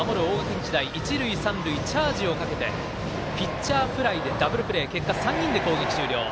日大にチャージをかけてピッチャーフライでダブルプレー、結果３人で攻撃終了。